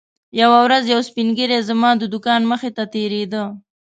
یوه ورځ یو سپین ږیری زما د دوکان مخې ته تېرېده.